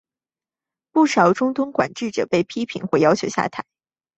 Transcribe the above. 不少中东管治者被批评或要求下台。